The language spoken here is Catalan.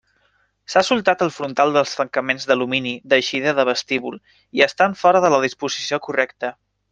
S'ha soltat el frontal dels tancaments d'alumini d'eixida de vestíbul, i estan fora de la disposició correcta.